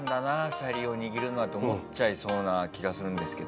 シャリを握るのはと思っちゃいそうな気がするんですけど。